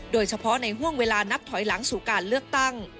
โดยเฉพาะในห่วงเวลานับถอยหลังสู่การเลือกตั้ง